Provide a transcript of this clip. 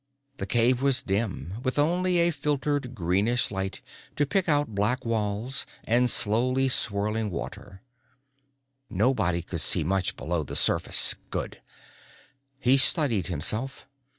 The cave was dim, with only a filtered greenish light to pick out black wall's and slowly swirling water. Nobody could see much below the surface good. He studied himself.